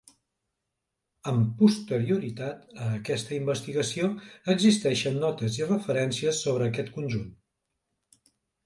Amb posterioritat a aquesta investigació, existeixen notes i referències sobre aquest conjunt.